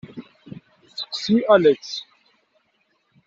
Seqsi Alex.